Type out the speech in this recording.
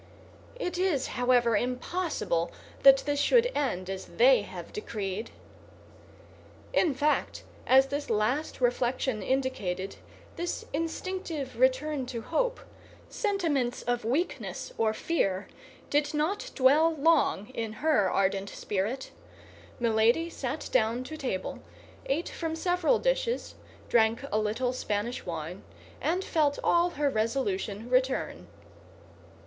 It is, however, impossible that this should end as they have decreed!" In fact, as this last reflection indicated—this instinctive return to hope—sentiments of weakness or fear did not dwell long in her ardent spirit. Milady sat down to table, ate from several dishes, drank a little Spanish wine, and felt all her resolution return.